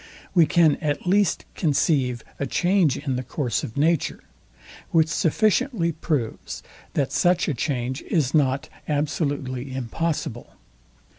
We can at least conceive a change in the course of nature; which sufficiently proves, that such a change is not absolutely impossible.